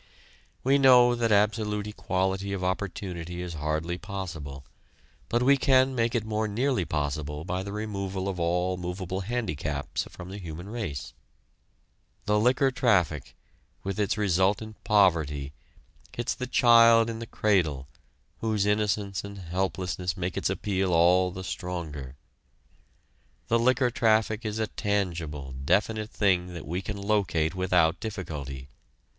We know that absolute equality of opportunity is hardly possible, but we can make it more nearly possible by the removal of all movable handicaps from the human race. The liquor traffic, with its resultant poverty, hits the child in the cradle, whose innocence and helplessness makes its appeal all the stronger. The liquor traffic is a tangible, definite thing that we can locate without difficulty.